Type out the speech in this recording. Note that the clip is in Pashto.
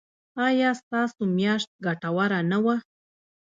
ایا ستاسو میاشت ګټوره نه وه؟